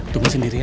tunggu sendiri ya